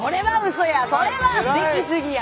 それは出来すぎや。